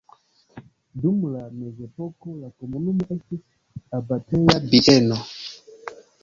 Dum la mezepoko la komunumo estis abateja bieno.